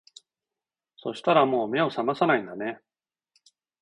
そしたらもう目を覚まさないんだね